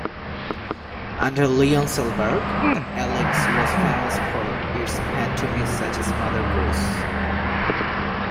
Under Leon Salberg, the Alex was famous for its pantomimes such as "Mother Goose".